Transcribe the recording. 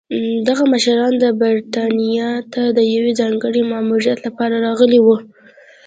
دغه مشران برېټانیا ته د یوه ځانګړي ماموریت لپاره راغلي وو.